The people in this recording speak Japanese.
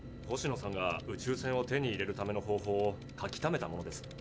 星野さんが宇宙船を手に入れるための方法を書きためたものです。